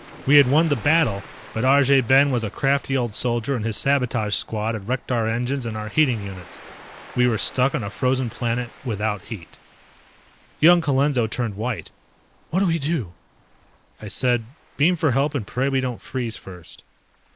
We had won the battle, but Arjay Ben was a crafty old soldier and his sabotage squad had wrecked our engines and our heating units. We were stuck on a frozen planet without heat. Young Colenso turned white. "What do we do?" I said, "Beam for help and pray we don't freeze first."